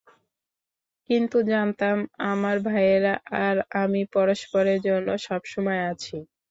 কিন্তু জানতাম, আমার ভাইয়েরা আর আমি পরস্পরের জন্য সবসময় আছি।